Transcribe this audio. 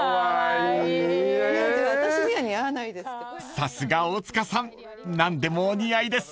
［さすが大塚さん何でもお似合いです］